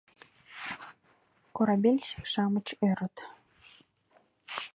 Корабельщик-шамыч ӧрыт